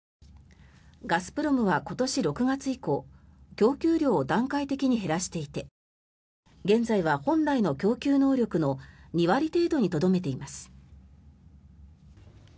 ガスプロムは今年６月以降供給量を段階的に減らしていて現在は本来の供給能力の２割程度にとどめています。